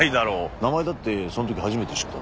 名前だってその時初めて知った。